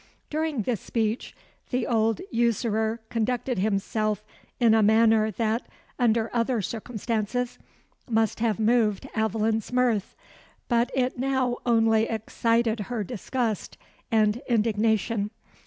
During this speech, the old usurer conducted himself in a manner that, under other circumstances, must have moved Aveline's mirth; but it now only excited her disgust and indignation.